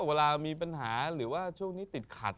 เวลามีปัญหาหรือว่าช่วงนี้ติดขัด